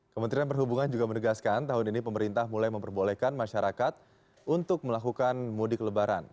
kementerian perhubungan juga menegaskan tahun ini pemerintah mulai memperbolehkan masyarakat untuk melakukan mudik lebaran